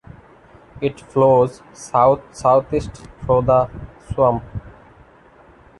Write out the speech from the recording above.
It flows south-southeast through the swamp.